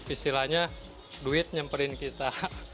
istilahnya duit nyemperin kita